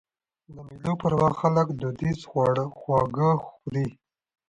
د مېلو پر وخت خلک دودیز خواږه خوري.